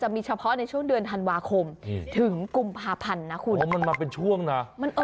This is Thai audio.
มีเฉพาะในช่วงเดือนธันวาคมถึงกลุ่มประพันธ์นะคุณมันมาเป็นช่วงแล้วมันเออ